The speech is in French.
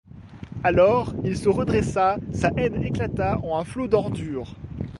Alors, il se redressa, sa haine éclata en un flot d'ordures.